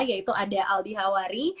yaitu ada aldi hawari